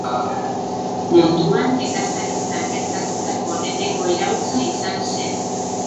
Munduan, nekazaritzan gertatutako lehenengo iraultza izan zen.